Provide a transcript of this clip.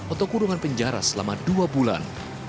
atau kurungan penjara selama dua bulan